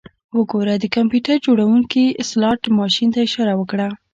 وګوره د کمپیوټر جوړونکي سلاټ ماشین ته اشاره وکړه